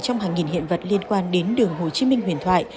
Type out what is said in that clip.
trong hàng nghìn hiện vật liên quan đến đường hồ chí minh huyền thoại